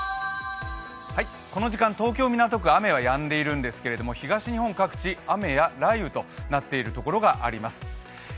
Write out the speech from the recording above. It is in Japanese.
この時間、東京・港区、雨はやんでいるんですけれども東日本各地雨や雷雨となっているところがあります。